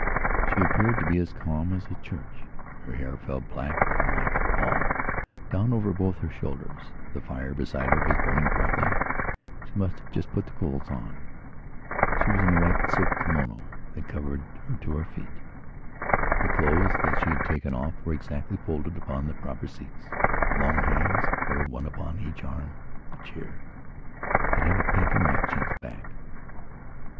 She appeared to be as calm as a church; her hair fell, black and like a pall, down over both her shoulders. The fire beside her was burning brightly; she must have just put coals on. She was in a white silk kimono that covered her to the feet. The clothes that she had taken off were exactly folded upon the proper seats. Her long hands were one upon each arm of the chair that had a pink and white chintz back.